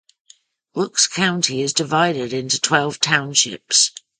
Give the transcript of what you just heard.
Rooks County is divided into twelve townships.